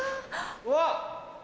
うわっ。